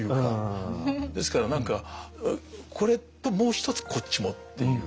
ですから何かこれともう一つこっちもっていう。